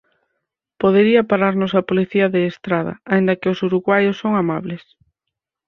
Podería pararnos a policía de estrada, aínda que os uruguaios son amables.